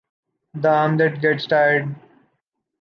The arm that gets tired.